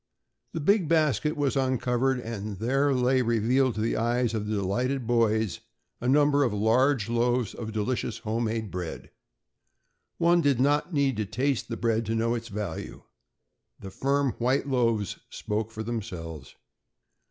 The big basket was uncovered and there lay revealed to the eyes of the delighted boys a number of large loaves of delicious homemade bread. One did not need to taste that bread to know its value. The firm white loaves spoke for themselves.